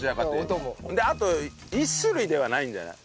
あと１種類ではないんじゃない？